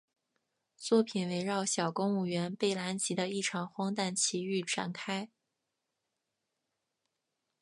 作品围绕小公务员贝兰吉的一场荒诞奇遇展开。